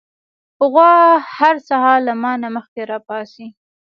غوا هر سهار له ما نه مخکې راپاڅي.